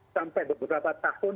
sampai beberapa tahun